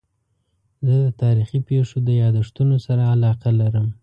زه د تاریخي پېښو د یادښتونو سره علاقه لرم.